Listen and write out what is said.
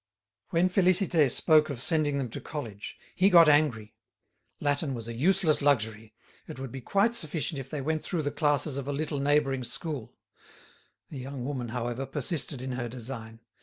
When Félicité spoke of sending them to college, he got angry. Latin was a useless luxury, it would be quite sufficient if they went through the classes of a little neighbouring school The young woman, however, persisted in her design.